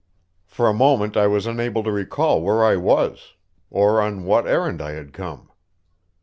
For a moment I was unable to recall where I was, or on what errand I had come.